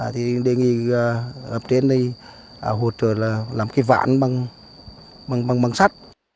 thì đề nghị hợp tiện này hỗ trợ là làm cái ván bằng bằng bằng sắt